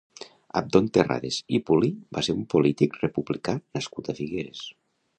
Abdon Terrades i Pulí va ser un polític republicà nascut a Figueres.